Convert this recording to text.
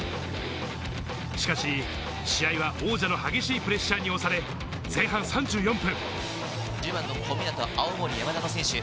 しかし、試合は王者の激しいプレッシャーに押され、前半３４分。